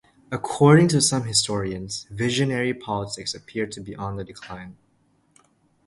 According to some historians, visionary politics appeared to be on the decline.